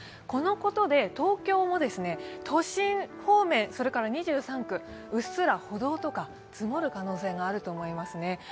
このことで東京も都心方面、それから２３区、うっすら歩道とか積もる可能性があると思います。